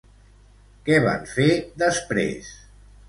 Què van fer després?